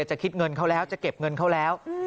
จะคิดเงินเขาแล้วจะเก็บเงินเขาแล้ว